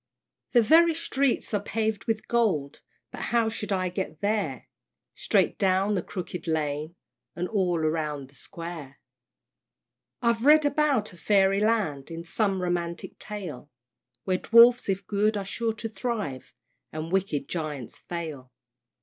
The very streets are paved with gold; But how shall I get there? "Straight down the Crooked Lane, And all round the Square." I've read about a Fairy Land, In some romantic tale, Where Dwarfs if good are sure to thrive And wicked Giants fail.